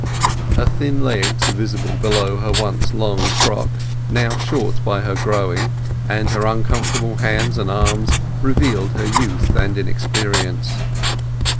Her thin legs, visible below her once long frock, now short by her growing, and her uncomfortable hands and arms revealed her youth and inexperience.